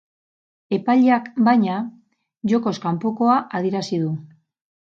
Epaileak, baina, jokoz kanpokoa adierazi du.